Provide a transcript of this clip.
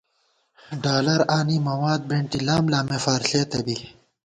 ڈالر آنی، مَواد بېنٹی، لاملامےفار ݪېتہ بی